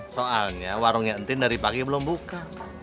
soalnya warungnya entin dari pagi belum buka